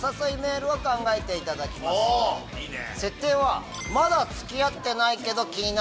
いいね！